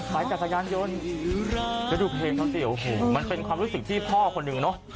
จักรยานยนต์แล้วดูเพลงเขาสิโอ้โหมันเป็นความรู้สึกที่พ่อคนหนึ่งเนอะ